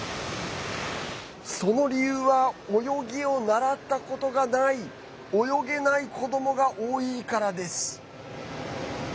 その理由は泳ぎを習ったことがない泳げない子どもが多いからです。